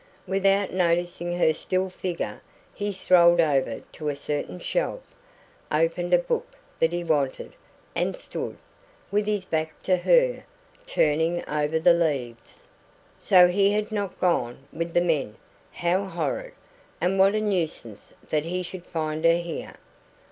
Without noticing her still figure, he strolled over to a certain shelf, opened a book that he wanted, and stood, with his back to her, turning over the leaves. So he had not gone with the men. How horrid! And what a nuisance that he should find her here!